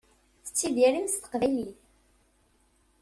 Tettidirem s teqbaylit.